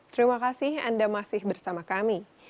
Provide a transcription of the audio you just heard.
terima kasih anda masih bersama kami